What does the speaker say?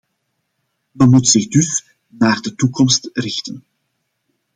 Men moet zich dus naar de toekomst richten.